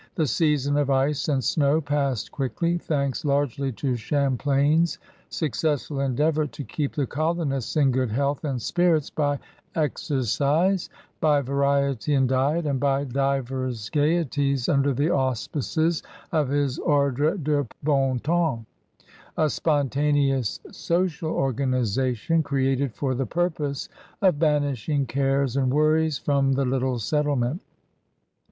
The season of ice and snow passed quickly, thanks largely to Champlain's successful endeavor to keep the colonists in good health and spirits by exercise, by variety in diet, and by divers gaieties under the auspices of his Ordre de Bon Tem/psy a spontaneous social organization created for the purpose of banishing cares and worries from the little settlement.